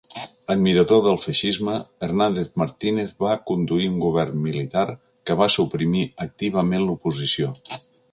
Admirador del feixisme, Hernández Martínez va conduir un govern militar que va suprimir activament l'oposició.